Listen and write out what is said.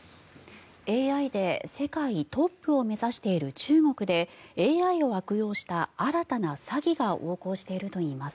ＡＩで世界トップを目指している中国でＡＩを悪用した新たな詐欺が横行しているといいます。